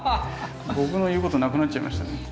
僕の言うことなくなっちゃいましたね。